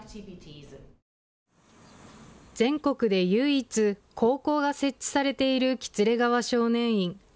全国で唯一、高校が設置されている喜連川少年院。